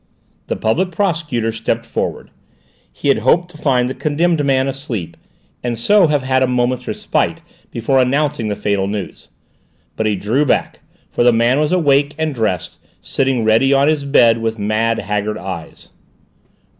The Public Prosecutor stepped forward. He had hoped to find the condemned man asleep, and so have had a moment's respite before announcing the fatal news. But he drew back; for the man was awake and dressed, sitting ready on his bed with mad, haggard eyes.